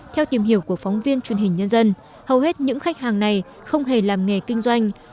theo tìm hiểu của phóng viên truyền hình nhân dân hầu hết những khách hàng này không hề làm nghề kinh doanh